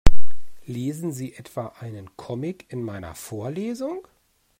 Lesen Sie etwa einen Comic in meiner Vorlesung?